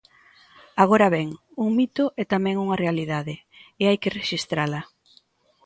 Agora ben: un mito é tamén unha realidade, e hai que rexistrala.